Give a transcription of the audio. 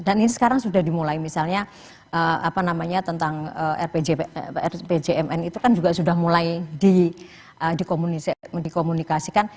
dan ini sekarang sudah dimulai misalnya apa namanya tentang rpjmn itu kan juga sudah mulai dikomunikasikan